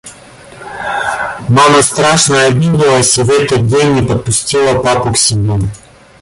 Мама страшно обиделась и в этот день не подпустила папу к себе.